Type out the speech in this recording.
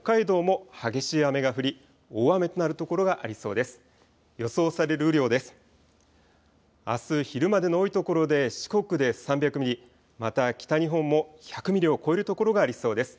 あす昼までの多いところで四国で３００ミリ、また北日本も１００ミリを超える所がありそうです。